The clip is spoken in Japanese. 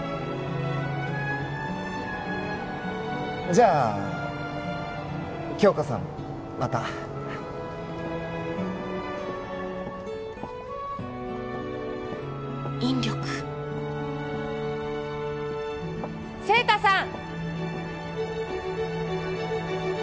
じゃあ杏花さんまた引力晴太さん！